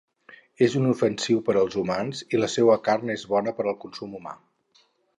És inofensiu per als humans i la seua carn és bona per al consum humà.